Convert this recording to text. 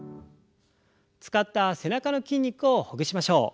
使った背中の筋肉をほぐしましょう。